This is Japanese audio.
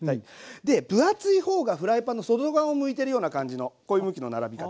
で分厚い方がフライパンの外側を向いてるような感じのこういう向きの並び方。